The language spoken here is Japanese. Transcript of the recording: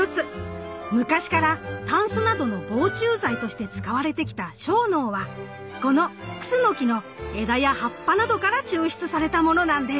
昔からタンスなどの防虫剤として使われてきた樟脳はこのクスノキの枝や葉っぱなどから抽出されたものなんです。